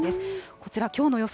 こちら、きょうの予想